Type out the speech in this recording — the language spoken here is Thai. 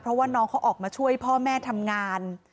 เพราะว่าน้องเขาออกมาช่วยพ่อแม่ทำงาน